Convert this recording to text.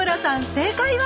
正解は？